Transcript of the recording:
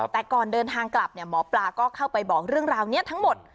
แต่ก่อนเดินทางกลับหมอปลาก็เข้าไปบอกเรื่องราวนี้ทั้งหมด